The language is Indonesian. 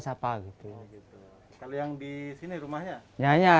oh ini sudah berubah nih